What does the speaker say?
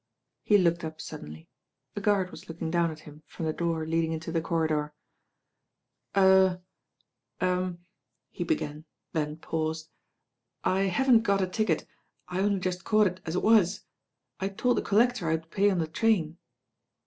He looked up suddenly. A guard was looking down at him from the door leading into the cor ridor^ "Er — er " he began, then paused. "I haven't got a ticket. I only just caught it as it was. I told the collector I would pay on the train."